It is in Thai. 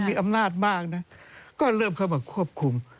มีอำนาจมากนะก็เริ่มเข้ามาควบคุม